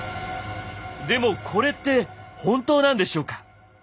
でもこれって本当なんでしょうか？